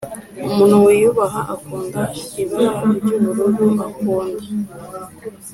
umuntu wiyubaha, akunda ibara ryubururu, akunda